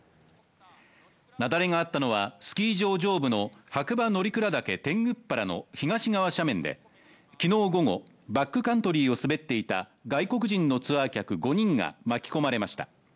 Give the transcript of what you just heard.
雪崩があったのは、スキー場上部の白馬乗鞍岳天狗原の東側斜面で昨日午後、バックカントリーを滑っていた外国人のツアー客５人が巻き込まれました。